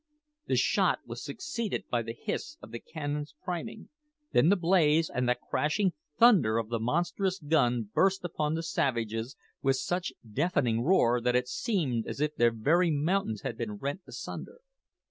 The shot was succeeded by the hiss of the cannon's priming; then the blaze and the crashing thunder of the monstrous gun burst upon the savages with such deafening roar that it seemed as if their very mountains had been rent asunder.